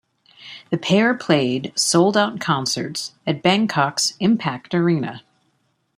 The pair played sold-out concerts at Bangkok's Impact Arena.